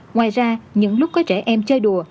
ngoài ra những lúc có trẻ em chơi đùa